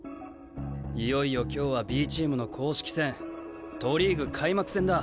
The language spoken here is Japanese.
いよいよ今日はＢチームの公式戦都リーグ開幕戦だ。